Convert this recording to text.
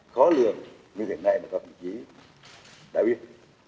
khó lường như hiện nay mà có vị trí đặc biệt